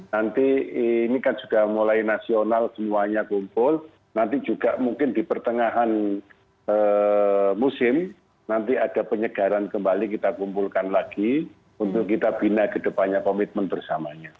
nanti ini kan sudah mulai nasional semuanya kumpul nanti juga mungkin di pertengahan musim nanti ada penyegaran kembali kita kumpulkan lagi untuk kita bina kedepannya komitmen bersamanya